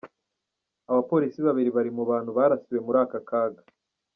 Abapolisi babiri bari mu bantu barasiwe muri aka kaga.